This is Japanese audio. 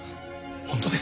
本当です。